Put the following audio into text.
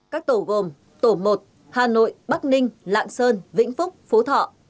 các tổ gồm tổ một hà nội bắc ninh lạng sơn vĩnh phúc phú thọ